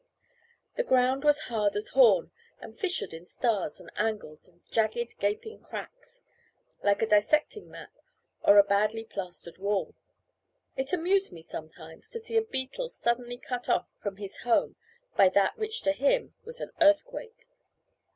The ground was hard as horn, and fissured in stars, and angles, and jagged gaping cracks, like a dissecting map or a badly plastered wall. It amused me sometimes to see a beetle suddenly cut off from his home by that which to him was an earthquake.